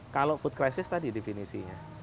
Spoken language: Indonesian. kalau food crisis tadi definisinya